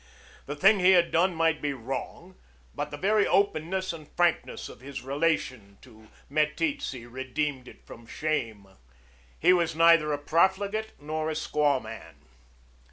The thing he had done might be wrong, but the very openness and frankness of his relation to Meteetse redeemed it from shame. He was neither a profligate nor a squawman.